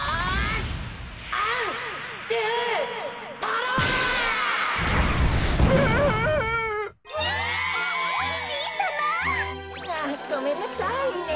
あっごめんなさいね。